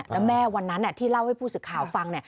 แล้วแม่วันนั้นที่เล่าให้ผู้สื่อข่าวฟัง